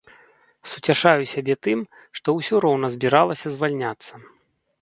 Суцяшаю сябе тым, што ўсё роўна збіралася звальняцца.